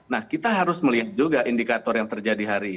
nah kita harus melihat juga indikator yang terjadi hari ini